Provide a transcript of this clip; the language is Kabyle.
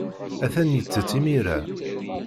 Atan yettett imir-a.